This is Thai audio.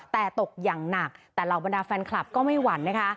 แต่ตกอย่างหนักแต่เหล่าบรรดาแฟนคลับก็ไม่หวั่นนะคะ